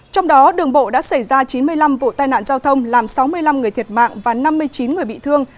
trong đó đường bộ đã xảy ra chín mươi năm vụ tai nạn giao thông làm sáu mươi năm người thiệt mạng và năm mươi chín người bị thương